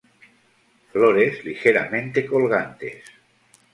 Flores ligeramente colgantes.